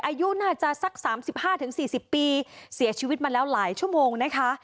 อายุน่าจะสัก๓๕๔๐ปีเสียชีวิตมาแล้วหลายชั่วโมงนะคะ